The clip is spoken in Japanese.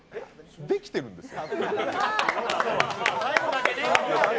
できてるんですよ。